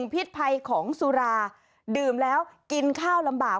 พิษภัยของสุราดื่มแล้วกินข้าวลำบาก